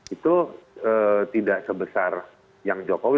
itu tidak sebesar yang jokowi